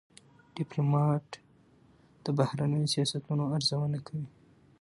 ډيپلومات د بهرنیو سیاستونو ارزونه کوي.